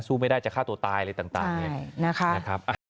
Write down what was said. สู้ไม่ได้จะฆ่าตัวตายอะไรต่างนะครับ